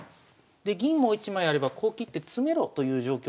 で銀もう一枚あればこう切って詰めろという状況になるんです。